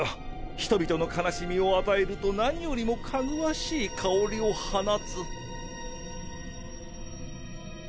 人々の悲しみを与えると何よりも芳しい香りを放つ。